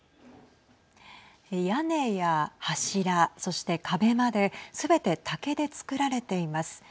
屋根や柱、そして壁まですべて竹でつくられています。